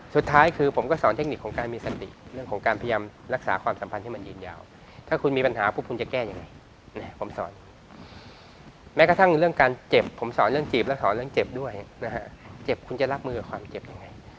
สุดท้ายคือผมก็สอนเทคนิคของการมีสติเรื่องของการพยายามรักษาความสัมพันธ์ให้มันยืนยาวถ้าคุณมีปัญหาปุ๊บคุณจะแก้ยังไงผมสอนแม้กระทั่งเรื่องการเจ็บผมสอนเรื่องจีบและสอนเรื่องเจ็บด้วยนะฮะเจ็บคุณจะรับมือกับความเจ็บยังไง